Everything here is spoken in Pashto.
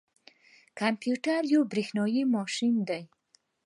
کمپيوټر یو بریښنايي ماشین دی